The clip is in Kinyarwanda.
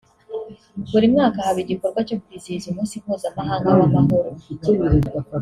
buri mwaka haba igikorwa cyo kwizihiza umunsi mpuzamahanga w’amahoro